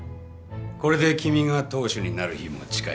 これで君が当主になる日も近い。